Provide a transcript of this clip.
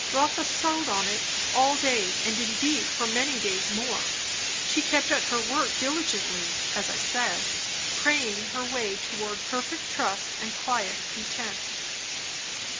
Rotha sewed on it all day; and indeed for many days more. She kept at her work diligently, as I said, praying her way toward perfect trust and quiet content.